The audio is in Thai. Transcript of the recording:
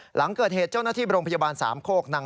หลังเกิดเหตุเจ้าหน้าที่โรงพยาบาลสามโคกนัง